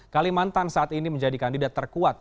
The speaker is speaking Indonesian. kalimantan saat ini menjadi kandidat terkuat